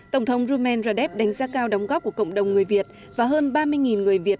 tổng thống rumen radev đánh giá cao đóng góp của cộng đồng người việt và hơn ba mươi người việt